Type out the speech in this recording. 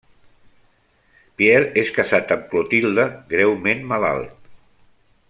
Pierre és casat amb Clotilde, greument malalt.